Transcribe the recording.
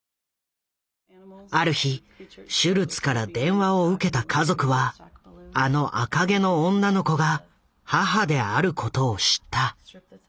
ある日シュルツから電話を受けた家族はあの赤毛の女の子が母であることを知った。